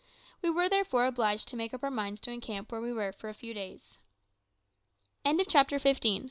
We were therefore obliged to make up our minds to encamp where we were for a few days. CHAPTER SIXTEEN.